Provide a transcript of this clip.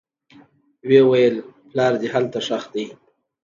ويې ويل پلار دې هلته ښخ دى.